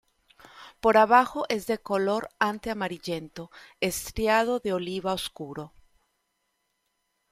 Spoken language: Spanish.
Por abajo es de color ante amarillento estriado de oliva oscuro.